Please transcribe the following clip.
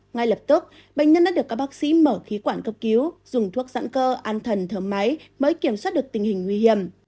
ngay lập tức bệnh nhân đã được các bác sĩ mở khí quản cấp cứu dùng thuốc dãn cơ an thần thở máy mới kiểm soát được tình hình nguy hiểm